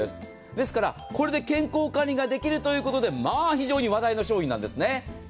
ですからこれで健康管理ができるということで非常に話題の商品なんですね。